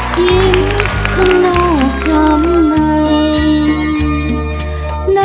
ยิ้มข้างนอกจำไหน